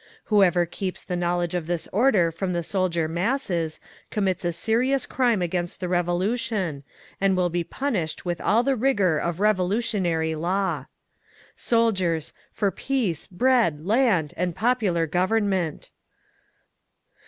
Whoever keeps the knowledge of this order from the soldier masses…. commits a serious crime against the Revolution, and will be punished with all the rigour of revolutionary law. "Soldiers! For peace, bread, land, and popular government!"